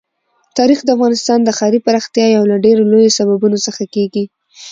تاریخ د افغانستان د ښاري پراختیا یو له ډېرو لویو سببونو څخه کېږي.